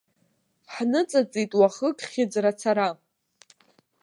Ҳныҵыҵит уахык хьыӡрацара.